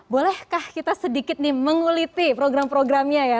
bolehkah kita sedikit nih menguliti program programnya ya